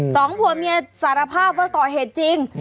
สองผัวเมียสารภาพว่าก่อเหตุจริง